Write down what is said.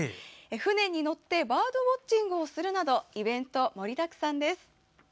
船に乗ってバードウォッチングをするなどイベント、盛りだくさんです。